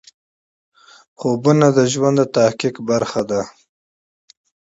خوبونه د ژوند د تحقق عناصر دي.